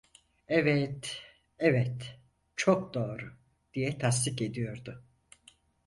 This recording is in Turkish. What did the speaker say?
Evet, evet, çok doğru! diye tasdik ediyordu.